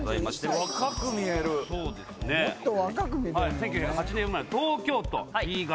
１９８０年生まれ東京都Ｂ型。